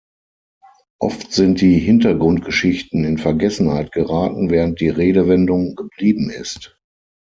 Oft sind die Hintergrundgeschichten in Vergessenheit geraten, während die Redewendung geblieben ist.